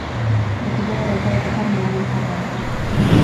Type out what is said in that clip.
د خدای رضا د هر مؤمن هدف دی.